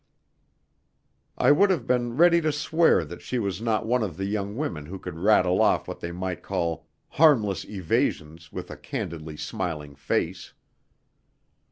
I would have been ready to swear that she was not one of the young women who could rattle off what they might call "harmless evasions" with a candidly smiling face.